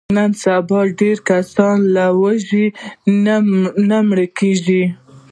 نن سبا ډېری کسان له لوږې نه مړه کېږي.